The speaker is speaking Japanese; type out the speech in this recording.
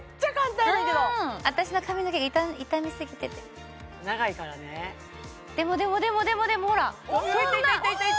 私の髪の毛傷みすぎてて長いからねでもでもでもでもでもほらいったいったいった！